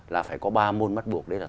là phải có ba môn mắt buộc đấy là